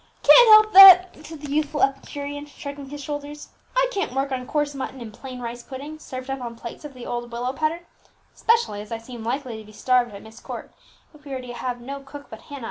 "Can't help that," said the youthful epicurean, shrugging his shoulders; "I can't work on coarse mutton and plain rice pudding, served up on plates of the old willow pattern; specially as I seem likely to be starved at Myst Court, if we are to have no cook but Hannah.